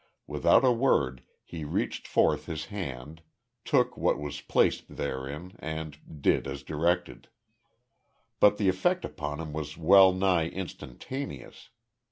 Without a word he reached forth his hand, took what was placed therein and did as directed. But the effect upon him was well nigh instantaneous.